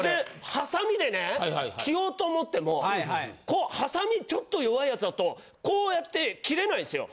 ハサミでね切ろうと思ってもこうハサミちょっと弱いやつだとこうやって切れないんすよ。